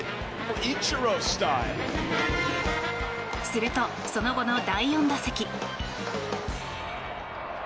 すると、その後の第４打席。